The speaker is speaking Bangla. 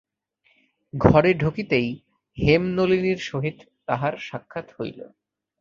ঘরে ঢুকিতেই হেমনলিনীর সহিত তাহার সাক্ষাৎ হইল।